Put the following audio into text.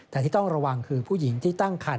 แต่ที่ต้องระวังคือผู้หญิงที่ตั้งคัน